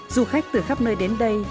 du khách từ khắp nơi đến đây